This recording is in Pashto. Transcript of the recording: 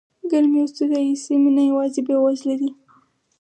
ګرمې استوایي سیمې نه یوازې بېوزله دي.